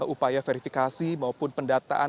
upaya verifikasi maupun pendataan